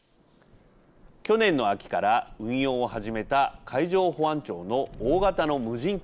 去年の秋から運用を始めた海上保安庁の大型の無人航空機です。